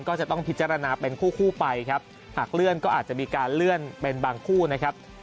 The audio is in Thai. ก็จะต้องพิจารณาเป็นคู่คู่ไปครับหากเลื่อนก็อาจจะมีการเลื่อนเป็นบางคู่นะครับ